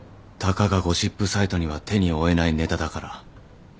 たかがゴシップサイトには手に負えないネタだから。